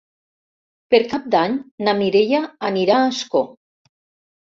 Per Cap d'Any na Mireia anirà a Ascó.